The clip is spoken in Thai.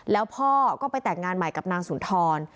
แล้วพ่อก็ไปแต่งงานใหม่กับนางสุนทร